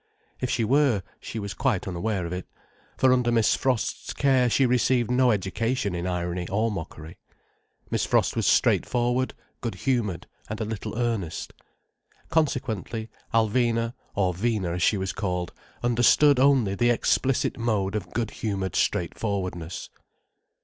If she were, she was quite unaware of it, for under Miss Frost's care she received no education in irony or mockery. Miss Frost was straightforward, good humoured, and a little earnest. Consequently Alvina, or Vina as she was called, understood only the explicit mode of good humoured straightforwardness.